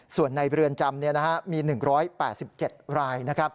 ส่วนในบริเวณจำมี๑๘๗ราย